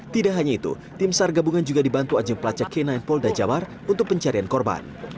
tidak hanya itu tim sar gabungan juga dibantu ajang pelacak k sembilan polda jawar untuk pencarian korban